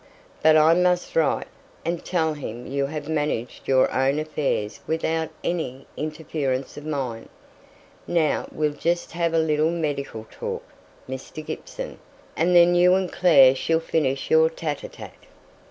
But I must write, and tell him you have managed your own affairs without any interference of mine. Now we'll just have a little medical talk, Mr. Gibson, and then you and Clare shall finish your tÉte ł tÉte."